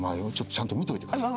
ちゃんと見ておいてください。